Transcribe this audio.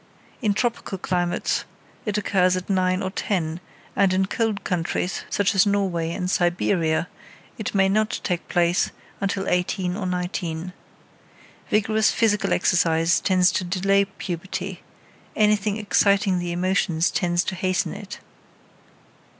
In tropical climates it occurs at nine or ten, and in cold countries, such as Norway and Siberia, it may not take place until eighteen or nineteen. Vigorous physical exercise tends to delay puberty, anything exciting the emotions tends to hasten it.